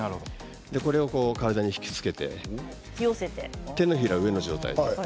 これを体に引きつけて手のひらを上の状態。